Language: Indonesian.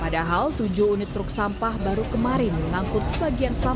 padahal tujuh unit truk sampah baru kemarin mengangkut sebagiannya